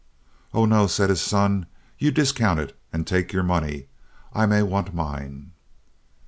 "Oh, no," said his son, "you discount it and take your money. I may want mine."